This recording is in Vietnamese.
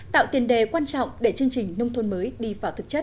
tạo tiền đề quan trọng để chương trình nông thôn mới đi vào thực chất